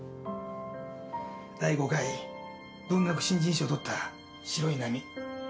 第５回文学新人賞を取った「白い波」